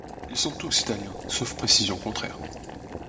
Ils sont tous Italiens sauf précision contraire.